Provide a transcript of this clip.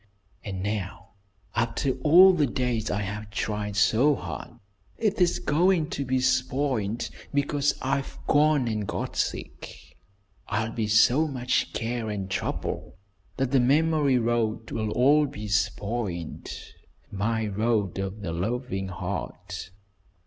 And now after all the days I have tried so hard, it is going to be spoiled because I've gone and got sick. I'll be so much care and trouble that the Memory Road will be all spoiled my 'Road of the Loving Heart!'"